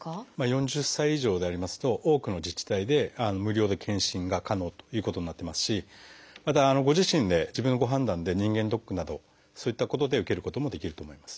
４０歳以上でありますと多くの自治体で無料で検診が可能ということになってますしまたご自身で自分のご判断で人間ドックなどそういったことで受けることもできると思います。